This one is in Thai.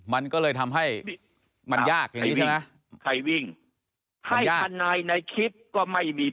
มันก็เลยทำให้มันยากอย่างนี้ใช่ไหม